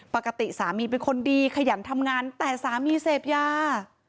ปกติสามีเป็นคนดีขยันทำงานแต่สามีเสพยา